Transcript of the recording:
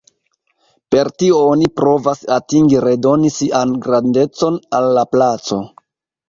Per tio oni provas atingi redoni 'sian grandecon' al la placo.